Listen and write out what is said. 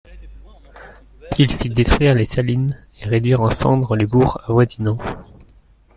Il fit détruire les salines et réduire en cendres les bourgs avoisinant.